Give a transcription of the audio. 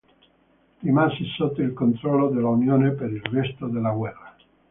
Rimase sotto il controllo dell'Unione per il resto della guerra.